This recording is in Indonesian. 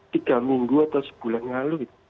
tiga minggu atau sebulan lalu